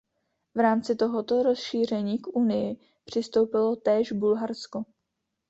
V rámci tohoto rozšíření k Unii přistoupilo též Bulharsko.